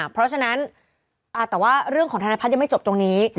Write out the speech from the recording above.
เพราะฉะนั้นแต่ว่าเรื่องของธนพัฒน์ยังไม่จบตรงนี้